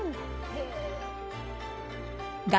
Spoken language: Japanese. へえ。